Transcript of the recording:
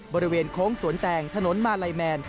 บริเวณโค้งสวนแตงถนนมาลัยแมน